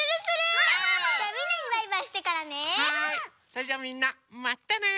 それじゃあみんなまたね！